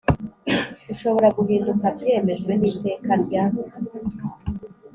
ushobora guhinduka byemejwe n Iteka rya